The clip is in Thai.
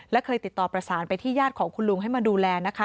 และเคยติดต่อประสานไปที่ญาติของคุณลุงให้มาดูแลนะคะ